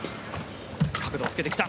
角度をつけてきた。